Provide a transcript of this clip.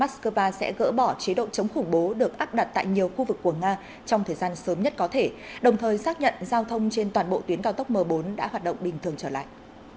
moscow sẽ gỡ bỏ chế độ chống khủng bố được áp đặt tại nhiều khu vực của nga trong thời gian sớm nhất có thể đồng thời xác nhận giao thông trên toàn bộ tuyến cao tốc m bốn đã hoạt động bình thường trở lại